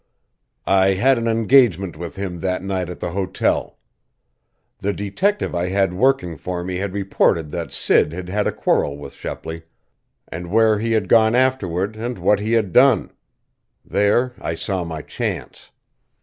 "I had an engagement with him that night at the hotel. The detective I had working for me had reported that Sid had had a quarrel with Shepley, and where he had gone afterward and what he had done. There I saw my chance.